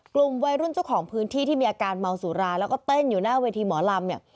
กลุ่มวัยรุ่นเจ้าของพื้นที่ที่มีอาการเมาสุราแล้วก็เต้นอยู่หน้าเวทีหมอลำเนี่ย